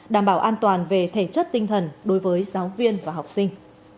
đảm bảo an toàn về thể chất tinh thần đối với giáo viên và học sinh